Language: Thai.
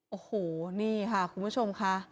โอ้โหนี่ค่ะคุณผู้ชมค่ะ